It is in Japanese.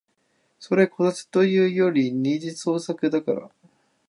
それ考察というより二次創作だから